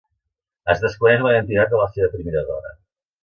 Es desconeix la identitat de la seva primera dona.